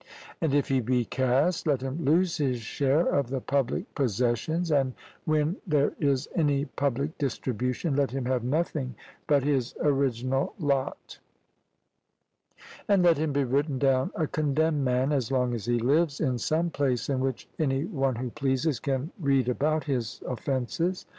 And if he be cast, let him lose his share of the public possessions, and when there is any public distribution, let him have nothing but his original lot; and let him be written down a condemned man as long as he lives, in some place in which any one who pleases can read about his offences.